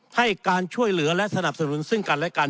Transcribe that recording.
ให้การช่วยเหลือและสนับสนุนซึ่งกันและกัน